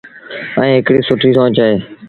ايٚ هڪڙيٚ سُٺيٚ سونچ اهي۔